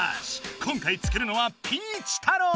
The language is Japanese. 今回作るのは「ピーチ太郎」！